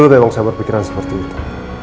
saya memang berpikiran seperti itu